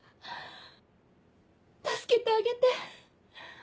助けてあげて。